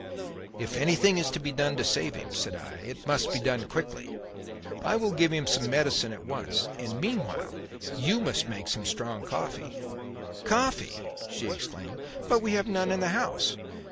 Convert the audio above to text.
"If anything is to be done to save him," I said, "it must be done quickly. I will give him some medicine at once, and meanwhile you must make some strong coffee." "Coffee!" she exclaimed. "But we have none in the house.